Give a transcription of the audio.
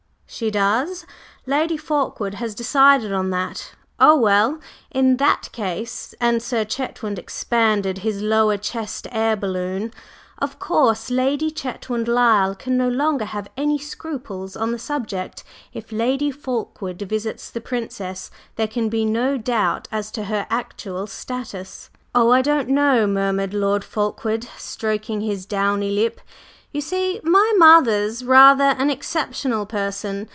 "She does? Lady Fulkeward has decided on that? Oh, well, in that case!" and Sir Chetwynd expanded his lower chest air balloon. "Of course, Lady Chetwynd Lyle can no longer have any scruples on the subject. If Lady Fulkeward visits the Princess there can be no doubt as to her actual status." "Oh, I don't know!" murmured Lord Fulkeward, stroking his downy lip. "You see my mother's rather an exceptional person.